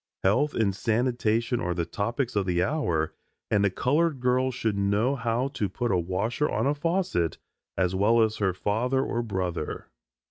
Health and sanitation are the topics of the hour and a colored girl should know how to put a washer on a faucet as well as her father or brother.